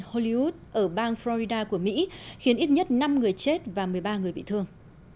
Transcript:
hollywood ở bang florida của mỹ khiến ít nhất năm người chết và một mươi ba người bị thương